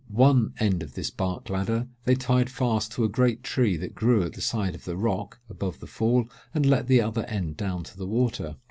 One end of this bark ladder they tied fast to a great tree that grew at the side of the rock above the Fall, and let the other end down to the water.